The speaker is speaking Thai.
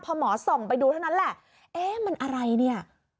พอหมอส่องไปดูเท่านั้นแหละเอ๊ะมันอะไรเนี่ย